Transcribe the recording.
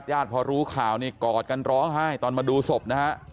พอรู้ข่าวนี่กอดกันร้องไห้ตอนมาดูศพนะฮะ